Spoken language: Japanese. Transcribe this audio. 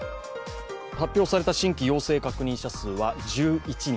発表された新規陽性確認者数は１１人。